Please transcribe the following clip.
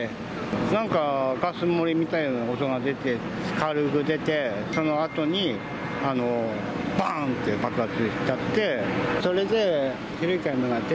なんかガス漏れみたいな音が出て、軽く出て、そのあとに、ばーんって爆発しちゃって。